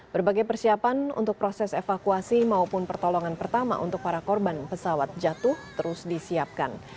berbagai persiapan untuk proses evakuasi maupun pertolongan pertama untuk para korban pesawat jatuh terus disiapkan